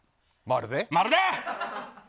まるで！